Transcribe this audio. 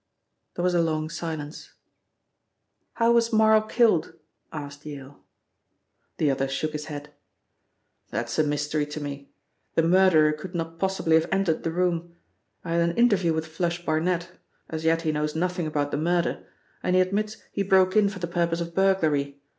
There was a long silence. "How was Marl killed?" asked Yale. The other shook his head. "That is a mystery to me. The murderer could not possibly have entered the room. I had an interview with 'Flush' Barnet as yet he knows nothing about the murder and he admits he broke in for the purpose of burglary.